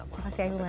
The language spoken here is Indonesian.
terima kasih ilman